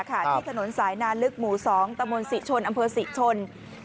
ที่ถนนสายนาลึกหมู่๒ตะมนต์ศรีชนอำเภอศรีชน